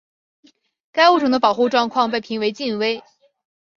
该物种的保护状况被评为近危。